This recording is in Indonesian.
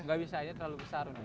nggak bisa ini terlalu besar